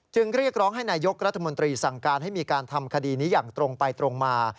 เรียกร้องให้นายกรัฐมนตรีสั่งการให้มีการทำคดีนี้อย่างตรงไปตรงมา